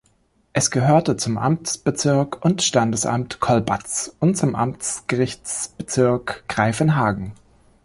Es gehörte zum Amtsbezirk und Standesamt Kolbatz und zum Amtsgerichtsbezirk Greifenhagen.